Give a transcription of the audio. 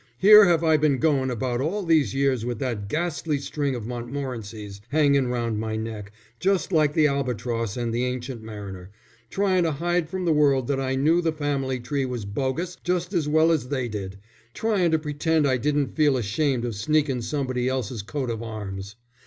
Here have I been goin' about all these years with that ghastly string of Montmorencys hangin' round my neck just like the albatross and the ancient mariner, tryin' to hide from the world that I knew the family tree was bogus just as well as they did, tryin' to pretend I didn't feel ashamed of sneakin' somebody else's coat of arms.